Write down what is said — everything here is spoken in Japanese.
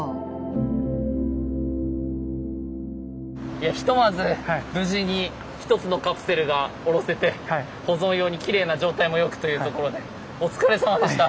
いやひとまず無事に１つのカプセルが下ろせて保存用にきれいな状態もよくというところでお疲れさまでした。